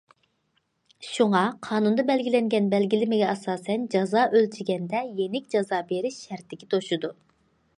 شۇڭا قانۇندا بەلگىلەنگەن بەلگىلىمىگە ئاساسەن جازا ئۆلچىگەندە يېنىك جازا بېرىش شەرتىگە توشىدۇ.